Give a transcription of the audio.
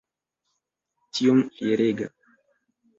Tiom fierega!